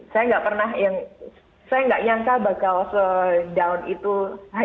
saya nggak pernah yang saya nggak nyangka bakal sedown itu hadir